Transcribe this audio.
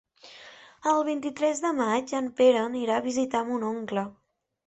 El vint-i-tres de maig en Pere anirà a visitar mon oncle.